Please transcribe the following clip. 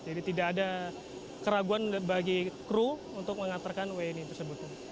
jadi tidak ada keraguan bagi kru untuk mengantarkan wni tersebut